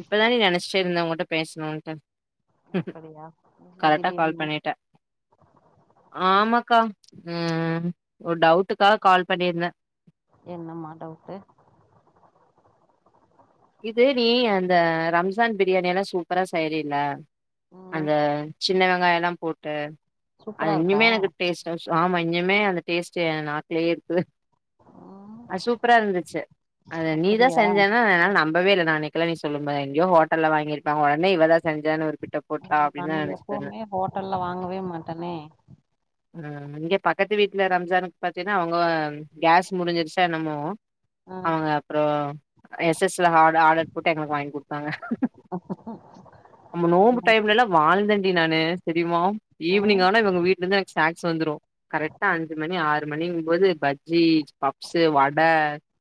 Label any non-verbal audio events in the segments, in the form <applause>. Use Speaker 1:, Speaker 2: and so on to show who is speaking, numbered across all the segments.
Speaker 1: இப்பதான்டி நெனைச்சிட்டே இருந்த உங்கிட்ட பேசணுன்ட்டு
Speaker 2: அப்படியா என்ன
Speaker 1: கரெக்டா கால்
Speaker 2: திடீர்னு
Speaker 1: பண்ணிட்ட ஆமாக்கா ம் ஒரு டவுட்டுக்காக கால் பண்ணியிருந்தே
Speaker 2: என்னமா டவுட்டு
Speaker 1: இது நீ அந்த ரம்ஜான் பிரியாணியெல்லா சூப்பரா செய்றில்ல
Speaker 2: ம்
Speaker 1: அந்த சின்ன வெங்காயொல்லா போட்டு
Speaker 2: சூப்பரா
Speaker 1: அது
Speaker 2: இருக்கா
Speaker 1: இன்னுமே எனக்கு டேஸ்ட் டா ச ஆமா இன்னுமே அந்த டேஸ்ட்டு ஏ நாக்குலயே இருக்குது
Speaker 2: ம்
Speaker 1: அ சூப்பரா இருந்துச்சு அது நீதா
Speaker 2: அப்படியா
Speaker 1: செஞ்சன்னா என்னால் நம்பவே இல்ல நா அன்னைக்கிலா நீ சொல்லும்போது எங்கயோ ஹோட்டல்ல வாங்கிருப்பா ஒடனே இவ தா செஞ்சானு ஒரு பிட்
Speaker 2: நாங்க எப்பவுமே ஹோட்டல்ல வாங்கவே மாட்டனே
Speaker 1: ம் இங்க பக்கத்து வீட்ல ரம்ஜானுக்கு பாத்தீங்கனா அவுங்க கேஸ் முடிஞ்சிருச்சா என்னமோ
Speaker 2: ம்
Speaker 1: அவுங்க அப்புறோ எஸ் எஸ் ல ஆடர் ஆர்டர் போட்டு எங்களுக்கு வாங்கி குடுத்தாங்கா
Speaker 2: ம்
Speaker 1: நம்பே நோம்பு டைமுலல்லா வாழ்ந்தண்டி நானு தெரியுமா
Speaker 2: ம்
Speaker 1: ஈவினிங் ஆனா இவுங்க வீட்லருந்தா எங் ஸ்நாக்ஸ் வந்துரு கரெக்டா அஞ்சு மணி ஆறு மணிங்கும் போது பஜ்ஜி பப்சு வட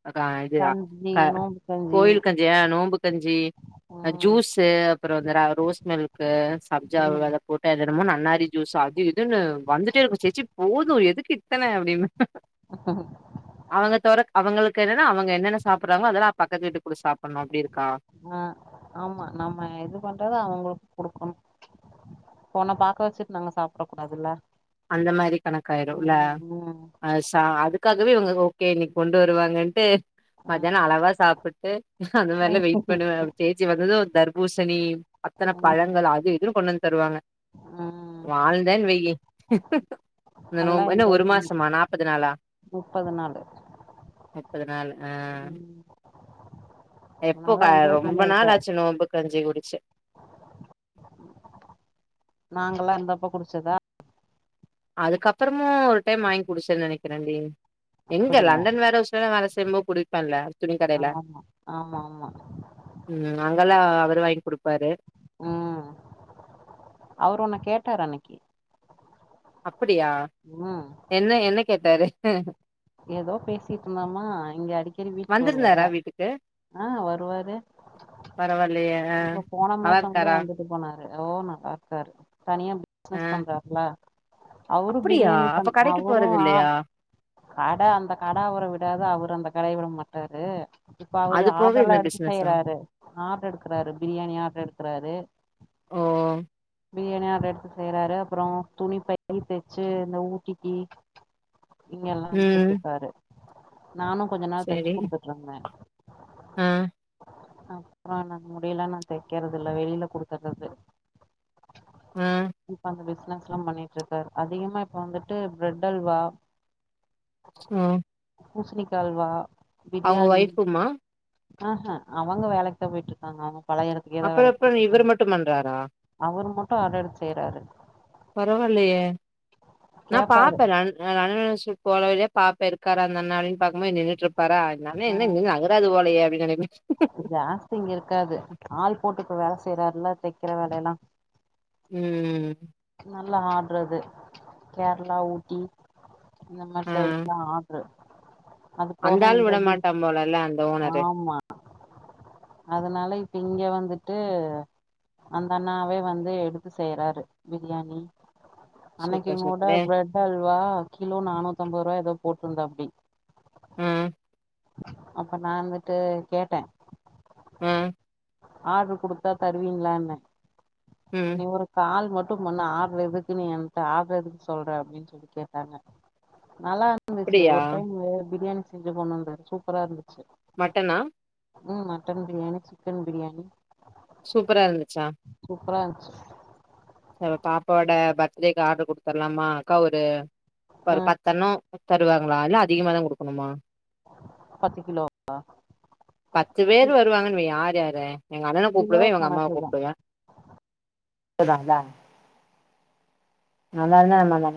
Speaker 1: அ க இது
Speaker 2: கஞ்சி
Speaker 1: க
Speaker 2: நோம்பு
Speaker 1: கோயில் கஞ்சி அ நோம்பு கஞ்சி
Speaker 2: ம்
Speaker 1: ஜூஸு அப்புறோ இந்த ர இந்த ரோஸ் மில்க்கு சப்ஜா
Speaker 2: ம்
Speaker 1: வெத போட்டு அது என்னமோ நன்னாரி ஜூஸ் அது இது இதுன்ன வந்துட்டேருக்கு சேச்சி போது எதுக்கு இத்தன அப்டிம்பே அவங்க தொர அவங்களுக்கு என்னனா அவுங்க என்னென்ன சாப்புறாங்களோ அதெல்லா பக்கத்து வீட்டு கூட சாப்புன்னு அப்டிருக்கா
Speaker 2: ஆ ஆமா நம்ம எது பண்றதோ அவுங்களுக்கு குடுக்கணும் அவன பாக்க வெச்சுட்டு நம்ம சாப்புட கூடாதுல்ல
Speaker 1: அந்த மாறி கணக்காயிரும்ல
Speaker 2: ம் ம்
Speaker 1: அ ச அதுக்காகவே இவுங்க ஓகே இன்னைக்கி கொண்டு வருவாங்கன்ட்டு
Speaker 2: ஆ
Speaker 1: மத்தியானம் அளவா சாப்ட்டு அந்த மாறிலா வெயிட் பண்ணுவே செ வந்ததும் தர்பூசணி அத்தன
Speaker 2: ம்
Speaker 1: பழங்கள் அது இதுன்னு கொண்டு வந்து தருவாங்க
Speaker 2: ம்
Speaker 1: வாழ்ந்தேன் வெய்யி இந்த
Speaker 2: நல்லா
Speaker 1: நோம்பு
Speaker 2: என்ஜாய்
Speaker 1: ஒரு
Speaker 2: பண்ணு
Speaker 1: மாசமா நாப்பது நாளா
Speaker 2: முப்பது நாளு
Speaker 1: முப்பது நாளு ஆ
Speaker 2: ம் அப்ப
Speaker 1: எப்போ
Speaker 2: நல்லா என்ஜாய்
Speaker 1: ரொம்ப
Speaker 2: பண்ணிருக்க
Speaker 1: நாாளாச்சு நோம்பு கஞ்சி குடிச்சு
Speaker 2: நாங்கல்லா இருந்தப்ப குடிச்சதா
Speaker 1: அதுக்கப்பறமும் ஒரு டைம் வாங்கி குடிச்சேனு நெனைக்கிறேன்டி எங்க
Speaker 2: அப்படியா
Speaker 1: லண்டன் வேற ன்ல வேல செய்யம்போது குடிப்பன்ல
Speaker 2: ஆமா ஆமாமா
Speaker 1: ம் அங்கெல்லா அவரு வாங்கி குடுப்பாரு
Speaker 2: ம் அவரு ஒன்ன கேட்டாரு அன்னைக்கி
Speaker 1: அப்டியா என்ன என்ன கேட்டாரு
Speaker 2: ஏதோ பேசிட்டு இருந்தாமா இங்க அடிக்கடி வீட்டுக்கு
Speaker 1: வந்திருந்தாரா
Speaker 2: வருவாரா
Speaker 1: வீட்டுக்கு
Speaker 2: ஆ வருவாரே
Speaker 1: பரவாயில்லையே ஆ
Speaker 2: இப்ப போன
Speaker 1: நல்லா
Speaker 2: மாசம் கூட
Speaker 1: இருக்காரா
Speaker 2: வந்துட் து போனாரு ஓன் பாக்றாரு தனியா
Speaker 1: ஆ
Speaker 2: பிசினஸ் பண்றாருல அவரும்
Speaker 1: அப்டியா
Speaker 2: பிரியாணி
Speaker 1: அப்ப
Speaker 2: பண்
Speaker 1: கடைக்கு போறது
Speaker 2: அவரும் ஆ
Speaker 1: இல்லையா
Speaker 2: அட அந்த கட அவர விடாது அவரு அந்த கடையை விட மாட்டாரு இப்ப அவரு
Speaker 1: அது போக
Speaker 2: ஆர்டர்
Speaker 1: இந்த
Speaker 2: எல்லா எடுத்து
Speaker 1: பிசினஸா
Speaker 2: செய்றாரு ஆர்டர் எடுக்குறாரு பிரியாணி ஆர்டர் எடுக்குறாரு
Speaker 1: ஓ
Speaker 2: பிரியாணிய ஆர்டர் எடுத்து செய்றாரு அப்புறம் துணி பை தச்சு இந்த ஊட்டிக்கி இங்க எல்லா தச்சு
Speaker 1: ம்
Speaker 2: இருக்காரு நானும் கொஞ்ச நாள் தச்சு குடுக்க சொன்னேன்
Speaker 1: ம்
Speaker 2: அப்பறம் என்னால முடியல நா தெக்கறது இல்ல வெளியில குடுத்துடுறது
Speaker 1: ஆ
Speaker 2: இப்ப அந்த பிசினஸ் ம் பண்ணிட்டு இருக்காரு அதிகமா இப்ப வந்துட்டு பிரெட் அல்வா
Speaker 1: ம்
Speaker 2: பூசணிக்கா அல்வா
Speaker 1: அவங்க
Speaker 2: பிரியாணி
Speaker 1: ஒய்ஃபுமா
Speaker 2: ஆஹ அவங்க வேலைக்கு தான் போயிட்டு இருக்காங்க அவங்க பழைய இடத்துக்கே
Speaker 1: அப்புற
Speaker 2: வேலைக்கு
Speaker 1: அப்புற
Speaker 2: போயிட்டு
Speaker 1: இவரு
Speaker 2: இருக்காங்க
Speaker 1: மட்டு பண்றாரா
Speaker 2: அவரு மட்டும் அர்டர் எடுத்து செய்றாரு
Speaker 1: பரவாயில்லயே நான்
Speaker 2: கேப்பாரு
Speaker 1: பாப்பே நான் ந ரண போற வழியில பாப்ப இருக்காறா அந்த அண்ணே அடின்னு பாக்கும் போது நின்னுட்டு இருப்பாரா இந்த அண்ணன்
Speaker 2: ஆ
Speaker 1: என்ன இன்னும் <unintelligible> து போலய அப்படின்னு
Speaker 2: ஜாஸ்தி இங்க இருக்காது ஆள் போட்டு இப்ப வேல செய்யறாருல்ல தைக்கிற வேலையெல்லாம்
Speaker 1: ம்
Speaker 2: நல்லா ஆட்றது கேரளா ஊட்டி இந்த மாறி
Speaker 1: ஆ
Speaker 2: சைடு எல்லாம் ஆர்டரு
Speaker 1: அந்த ஆள் விட மாட்டான் போல இல்ல அந்த ஓனரு
Speaker 2: ஆமா அதனால இப்ப இங்க வந்துட்டு அந்த அண்ணாவே வந்து எடுத்து செய்யறாரு பிரியாணி
Speaker 1: சூப்பர்
Speaker 2: அன்னைக்குங்கோட
Speaker 1: சூப்பரு
Speaker 2: பிரெட் அல்வா கிலோ நானூத்தம்பது ருவா எதோ போட்ருந்தாப்டி
Speaker 1: ம்
Speaker 2: அப்ப நா இந்துட்டு கேட்டே
Speaker 1: ம்
Speaker 2: ஆட்ரு குடுத்தா தருவிங்ளான
Speaker 1: ம்
Speaker 2: நீ ஒரு கால் மட்டு பண்ண ஆட்ரு எதுக்கு நீ என்ட்ட ஆட்ரு எதுக்கு சொல்ற அப்படின் சொல்லி கேட்டாங்க நல்லாருந்துச்சு
Speaker 1: அப்டியா
Speaker 2: ஒரு டைம்மு பிரியாணி செஞ்சு கொண்டுந்த சூப்பரா இருந்துச்சு
Speaker 1: மட்டனா
Speaker 2: ம் மட்டன் பிரியாணி சிக்கன் பிரியாணி
Speaker 1: சூப்பரா இருந்துச்சா
Speaker 2: சூப்பரா இருன்ச்சு
Speaker 1: அ பாப்பாவோட பர்த்டேக்கு ஆட்ரு குடுத்தர்லாமா அக்கா ஒரு இப்ப
Speaker 2: ஆ
Speaker 1: ஒரு பத்தணு தருவாங்களா இல்ல அதிகமாதா குடுக்கணுமா
Speaker 2: பத்து கிலோங்ளா
Speaker 1: பத்து பேர் வருவாங்கன் வை யார் யார எங்க அண்ணன
Speaker 2: கிலோ
Speaker 1: கூப்பிடுவே இவுங்க அம்மாவ
Speaker 2: கணக்கு தா
Speaker 1: கூப்பிடுவ அதான்ல நல்லா இருந்தா இன்ன